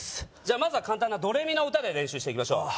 まずは簡単な「ドレミの歌」で練習していきましょうああ